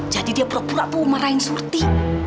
jadi dia berpura pura marahin surti